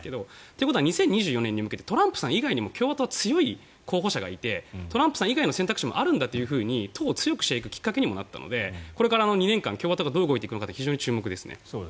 ということは２０２４年に向けてトランプさん以外にも強い候補がいてトランプさん以外の選択肢もあるんだと党を強くしていくきっかけにもなったのでこれから２年間共和党がどう出てくるかが非常に注目ですね。